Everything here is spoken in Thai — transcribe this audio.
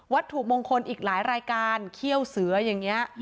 ถูกมงคลอีกหลายรายการเขี้ยวเสืออย่างนี้